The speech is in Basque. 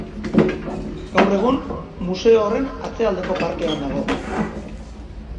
Gaur egun, museo horren atzealdeko parkean dago.